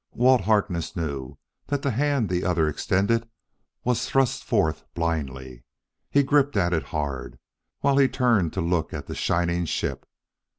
Walt Harkness knew that the hand the other extended was thrust forth blindly; he gripped at it hard, while he turned to look at the shining ship.